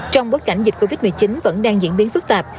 trong bối cảnh dịch covid một mươi chín vẫn đang diễn biến phức tạp